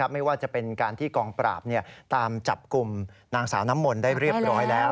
ไม่ว่าจะเป็นการที่กองปราบตามจับกลุ่มนางสาวน้ำมนต์ได้เรียบร้อยแล้ว